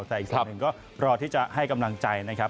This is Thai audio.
แต่อีกสิ่งหนึ่งก็รอที่จะให้กำลังใจนะครับ